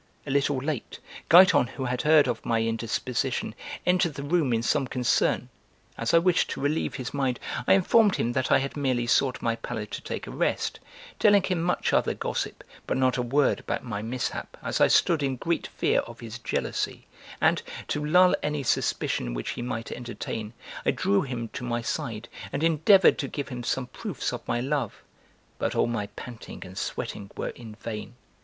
A little late: Giton, who had heard of my indisposition, entered the room in some concern. As I wished to relieve his mind I informed him that I had merely sought my pallet to take a rest, telling him much other gossip but not a word about my mishap as I stood in great fear of his jealousy and, to lull any suspicion which he might entertain, I drew him to my side and endeavoured to give him some proofs of my love but all my panting and sweating were in vain.